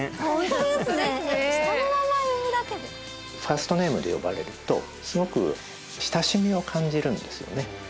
ホントですねファーストネームで呼ばれるとすごく親しみを感じるんですよね